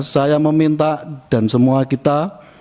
saya meminta dan semua kita